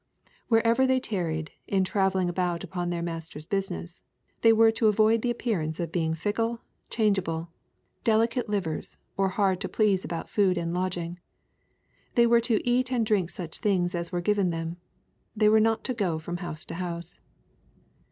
Wherever they tarried, in travelling about upon their Master's business, they were to avoid the appearance of being fickle, changeable, delicate livers, or hard to please about food and lodging. They were to " eat and drink such things'' as were given them. They were not to " go from house to house."